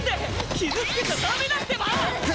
傷つけちゃダメだってば！